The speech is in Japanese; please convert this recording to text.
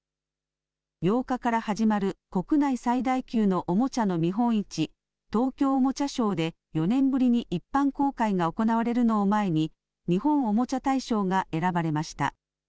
８日から始まる国内最大級のおもちゃの見本市、東京おもちゃショーで４年ぶりに一般公開が行われるのを前に、日本おもちゃ大賞が選ばれました。